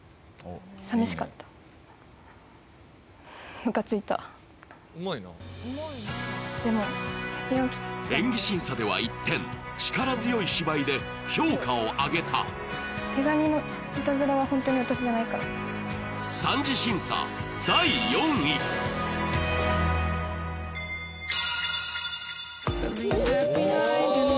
寂しかったムカついた演技審査では一転力強い芝居で評価を上げた手紙のいたずらはホントに私じゃないから三次審査おお！